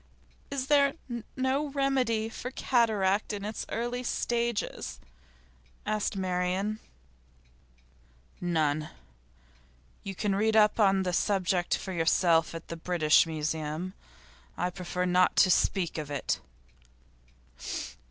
'Is there no remedy for cataract in its early stages?' asked Marian. 'None. You can read up the subject for yourself at the British Museum. I prefer not to speak of it.